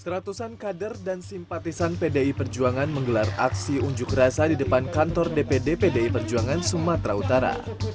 seratusan kader dan simpatisan pdi perjuangan menggelar aksi unjuk rasa di depan kantor dpd pdi perjuangan sumatera utara